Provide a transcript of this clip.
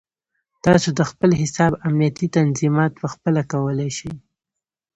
تاسو د خپل حساب امنیتي تنظیمات پخپله کولی شئ.